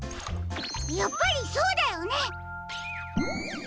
やっぱりそうだよね！